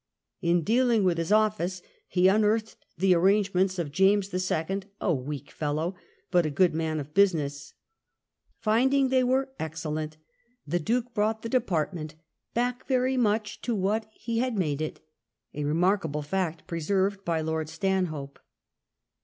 In dealing with his office he unearthed the arrangements of James the Second, a " weak fellow," but a good man of business. Finding they were "excellent," the Duke brdught the CHAP. X THE QUEEN'S TRIAL 229 department " back very much to what he had made it," a remarkable fact preserved by Lord Stanhope.